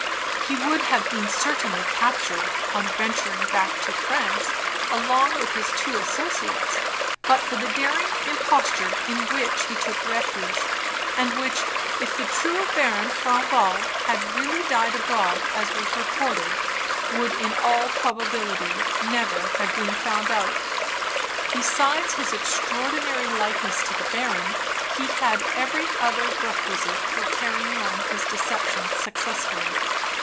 He would have been certainly captured, on venturing back to France, along with his two associates, but for the daring imposture in which he took refuge; and which, if the true Baron Franval had really died abroad, as was reported, would, in all probability, never have been found out. Besides his extraordinary likeness to the baron, he had every other requisite for carrying on his deception successfully.